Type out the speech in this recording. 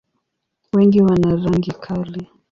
Wengi wana rangi kali.